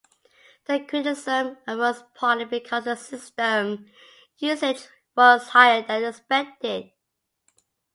The criticism arose partly because the system usage was higher than expected.